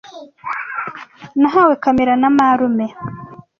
Nahawe kamera na marume.